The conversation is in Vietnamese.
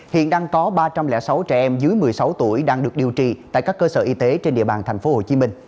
hiện đang có ba trăm linh sáu trẻ em dưới một mươi sáu tuổi đang được điều trị tại các cơ sở y tế trên địa bàn tp hcm